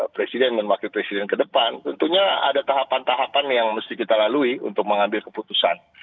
presiden dan wakil presiden ke depan tentunya ada tahapan tahapan yang mesti kita lalui untuk mengambil keputusan